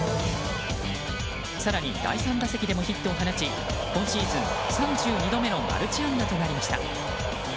更に第３打席でもヒットを放ち今シーズン３２度目のマルチ安打となりました。